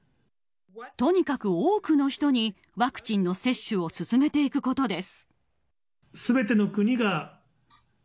とにかく多くの人にワクチンの接種を進めていくことです。